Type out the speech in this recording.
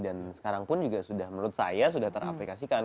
dan sekarang pun menurut saya sudah teraplikasikan